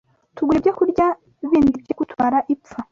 tugura ibyokurya bindi byo kutumara ipfa